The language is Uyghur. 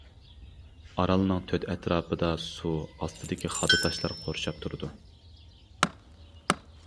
ئارالنىڭ تۆت ئەتراپىدا سۇ ئاستىدىكى خادا تاشلار قورشاپ تۇرىدۇ.